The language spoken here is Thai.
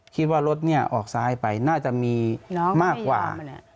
คิดว่ารถเนี่ยออกซ้ายไปน่าจะมีมากกว่า